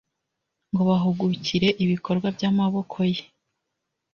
ngo bahugukire ibikorwa by'amaboko ye